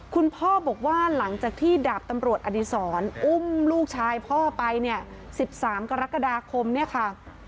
คุณพ่อบอกว่าหลังจากที่ดาบตำรวจอดีศรอุ้มลูกชายพ่อไปเนี่ย๑๓กรกฎาคมเนี่ยค่ะ